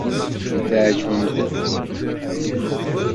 Tɛejbemt-tt!